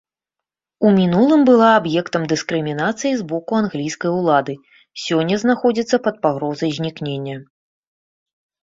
У мінулым была аб'ектам дыскрымінацыі з боку англійскай улады, сёння знаходзіцца пад пагрознай знікнення.